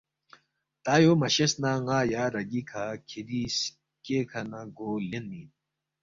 تا یو مہ شیس نہ ن٘ا یا رَگی کھہ کِھری سکےکھہ نہ گو لینمی اِن